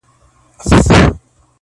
تا له ازله وهلی لنګ وو -